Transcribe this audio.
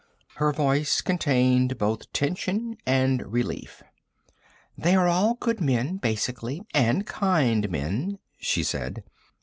Her voice contained both tension and relief. "They are all good men, basically and kind men," she said.